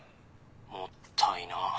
もったいな。